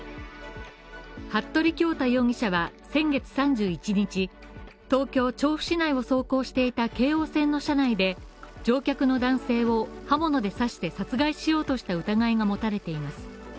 服部恭太容疑者は先月３１日、東京調布市内を走行していた京王線の車内で、乗客の男性を刃物で刺して殺害しようとした疑いが持たれています。